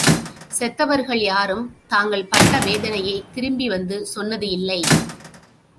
செத்தவர்கள் யாரும் தாங்கள் பட்ட வேதனையைத் திரும்பி வந்து சொன்னது இல்லை.